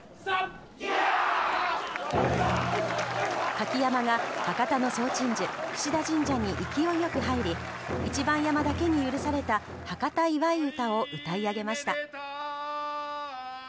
舁き山笠が博多の総鎮守、櫛田神社に勢いよく入り一番山笠だけに許された博多祝い唄を歌い上げました。